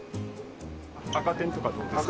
赤てんとかどうですか？